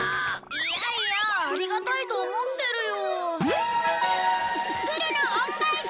いやいやありがたいと思ってるよ。